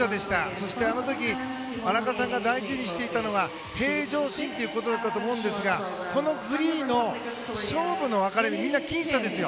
そして、あの時荒川さんが大事にしていたのは平常心ということだったと思うんですがこのフリーの勝負の分かれみんなきん差なんですよ。